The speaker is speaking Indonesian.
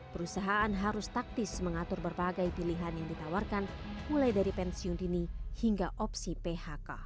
perusahaan harus taktis mengatur berbagai pilihan yang ditawarkan mulai dari pensiun dini hingga opsi phk